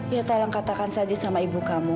ya tolong katakan saja sama ibu kamu